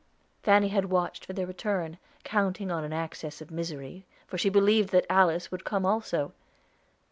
Fanny had watched for their return, counting on an access of misery, for she believed that Alice would come also.